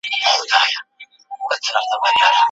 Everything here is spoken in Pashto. الله تعالی د هر چا د زړه حال پوهیږي.